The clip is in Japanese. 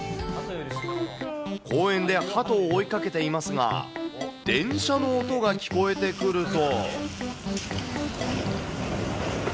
公園でハトを追いかけていますが、電車の音が聞こえてくると。